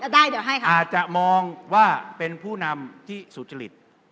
พี่น้องว่าเป็นผู้นำที่สุจริต